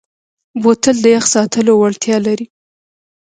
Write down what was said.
بوتل د یخ ساتلو وړتیا لري.